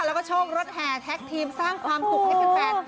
แล้วก็ช่องรถแห่แท็กทีมสร้างความสุขให้แฟน